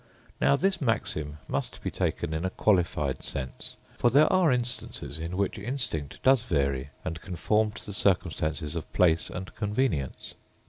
Now this maxim must be taken in a qualified sense; for there are instances in which instinct does vary and conform to the circumstances of place and convenience.